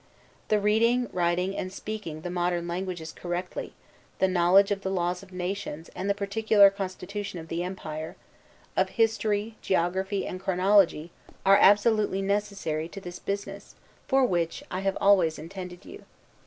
The reading, writing, and speaking the modern languages correctly; the knowledge of the laws of nations, and the particular constitution of the empire; of history, geography, and chronology, are absolutely necessary to this business, for which I have always intended you.